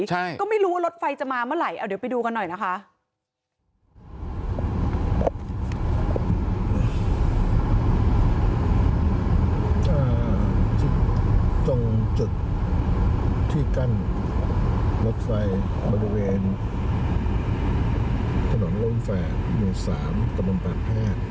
ที่กั้นรถไฟบริเวณถนนร่มแฝกอยู่สามกันบนปากแพบ